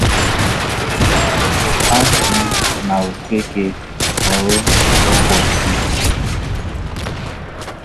A sị na ofeke kpuru okwu ọzọ